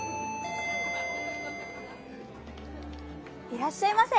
いらっしゃいませ。